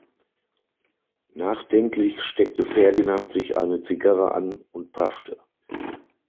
Nachdenklich steckte Ferdinand sich eine Zigarre an und paffte.